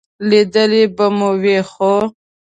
لیدلی به مې وي، خو ...